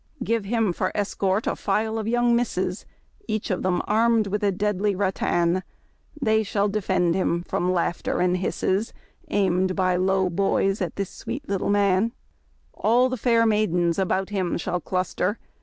Give him for escort a tile of young misses, Each of them armed with a deadly rattan; They shall defend him from laughter and hisses, Aimed by low boys at the sweet little man. THE TOCSIN OF WAB. 27 All the fair maidens about him shall cluster.